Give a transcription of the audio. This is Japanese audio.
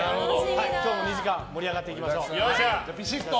今日も２時間盛り上がっていきましょう。